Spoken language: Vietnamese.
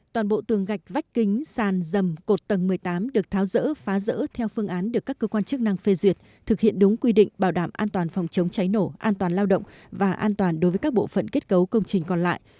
toàn bộ tường gạch vách kính sàn dầm cột tầng một mươi tám được tháo rỡ phá rỡ theo phương án được các cơ quan chức năng phê duyệt thực hiện đúng quy định bảo đảm an toàn phòng chống cháy nổ an toàn lao động và an toàn đối với các bộ phận kết cấu công trình còn lại